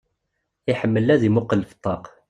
Iḥemmel ad imuqqel f ṭṭaq.